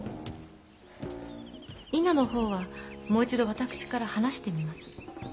・稲の方はもう一度私から話してみます。